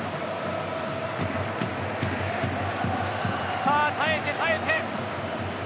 さあ耐えて、耐えて。